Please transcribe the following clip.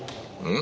ん？